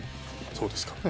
そうですからね。